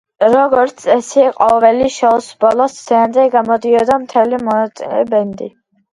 როგორც წესი, ყოველი შოუს ბოლოს სცენაზე გამოდიოდა მთელი მონაწილე ბენდი.